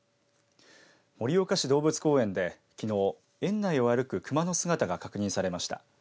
盛岡市動物公園できのう園内を歩く熊の姿が確認されました。